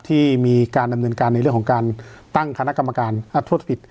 ที่มีการดำเนินการในเรื่องของการตั้งคณะกรรมการธุรกิจ